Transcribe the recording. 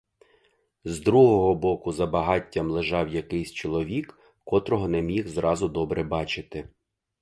З другого боку за багаттям лежав якийсь чоловік, котрого не міг зразу добре бачити.